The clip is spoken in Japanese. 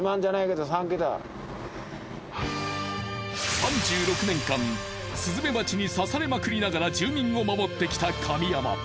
３６年間スズメバチに刺されまくりながら住民を守ってきた神山。